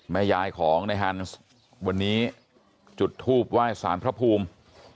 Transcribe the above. แม่ยายของในฮันส์วันนี้จุดทูบไหว้สารพระภูมิ